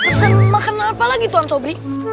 pak pesen makan apa lagi tuan sobri